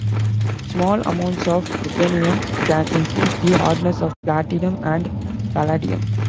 Small amounts of ruthenium can increase the hardness of platinum and palladium.